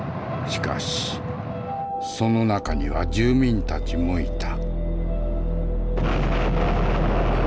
しかしその中には住民たちもいた。